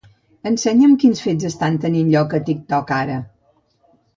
Ensenya'm quins fets estan tenint lloc a TikTok ara.